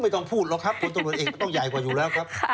ต้องพูดหรอกครับคนตำรวจเอกมันต้องใหญ่กว่าอยู่แล้วครับ